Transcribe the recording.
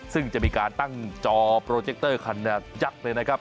ซึ่งจะมีการตั้งจอโปรเจคเตอร์ขนาดยักษ์เลยนะครับ